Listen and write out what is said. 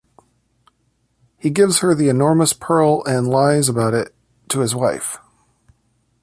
He gives her the enormous pearl and lies about it to his wife.